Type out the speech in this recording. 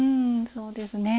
そうですね。